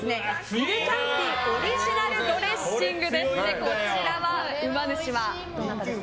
イルキャンティ・オリジナルドレッシング。